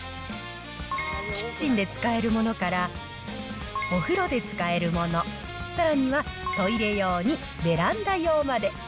キッチンで使えるものから、お風呂で使えるもの、さらにはトイレ用にベランダ用まで。